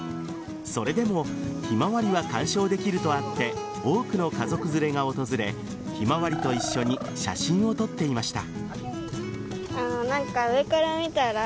それでもひまわりは鑑賞できるとあって多くの家族連れが訪れひまわりと一緒に写真を撮っていました。